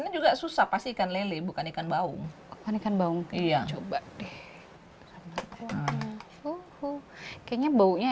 ini juga susah pasti ikan lele bukan ikan baung ikan baung kayak coba deh kayaknya baunya